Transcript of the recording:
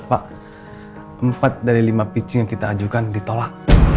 pak empat dari lima pitching yang kita ajukan ditolak